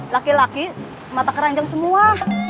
laki laki mata keranjang semua